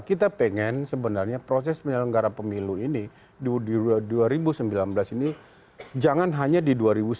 kita pengen sebenarnya proses penyelenggara pemilu ini di dua ribu sembilan belas ini jangan hanya di dua ribu sembilan belas